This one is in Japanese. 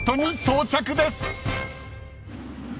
到着です。